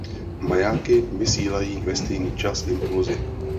Majáky vysílají ve stejný čas impulsy.